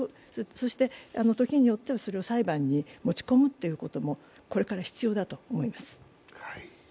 そして、時によってはそれを裁判に持ち込むこともこれから必要だと思います。